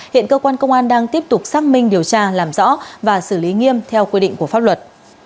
hiện cơ quan công an đang tiếp tục xác minh điều tra làm rõ và xử lý nghiêm theo quy định của pháp luật